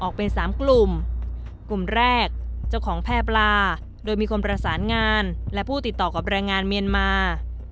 เป็นสามกลุ่มกลุ่มแรกเจ้าของแพร่ปลาโดยมีคนประสานงานและผู้ติดต่อกับแรงงานเมียนมา